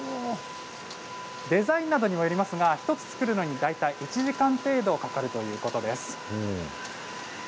デザインにもよりますが１つ作るのに大体１時間程度かかるということです。